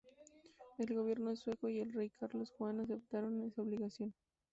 El gobierno sueco y el rey Carlos Juan aceptaron esa obligación.